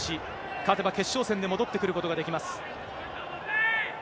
勝てば決勝戦で戻ってくることができます。